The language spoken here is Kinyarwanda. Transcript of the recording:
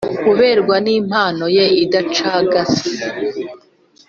kuberwa nimpanoye idacagase